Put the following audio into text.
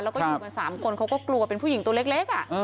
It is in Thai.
แล้วก็อยู่กัน๓คนเขาก็กลัวเป็นผู้หญิงตัวเล็ก